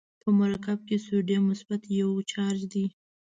په مرکب کې سودیم مثبت یو چارج دی.